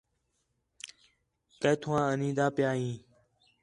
کِتّھوں آ آنین٘دا پِیا ہِے